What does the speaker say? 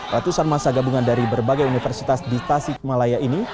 ratusan masa gabungan dari berbagai universitas di tasikmalaya ini